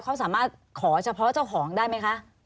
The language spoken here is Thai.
เขาสามารถขอเฉพาะเจ้าของได้ไหมคะ